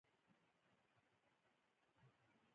دا شعارونه لکه الاسلام هو الحل دي.